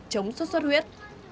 chống sốt sốt huyết